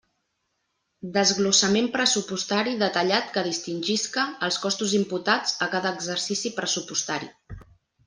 Desglossament pressupostari detallat que distingisca els costos imputats a cada exercici pressupostari.